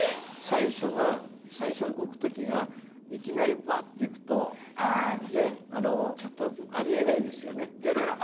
最初浮く時がいきなりバッていくとねありえないですよね。